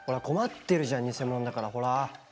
困ってるじゃん偽もんだからほら。